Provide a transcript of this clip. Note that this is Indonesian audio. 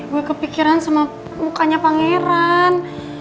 gue kepikiran sama mukanya pangeran